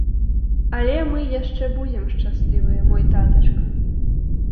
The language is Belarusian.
Але мы яшчэ будзем шчаслівыя, мой татачка!